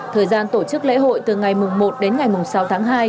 thời gian tổ chức lễ hội từ ngày mùng một đến ngày mùng sáu tháng hai